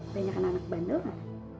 banyak anak bandel gak